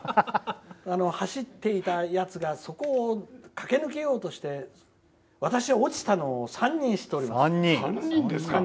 走っていたやつがそこを駆け抜けようとして私、落ちたの３人知っております。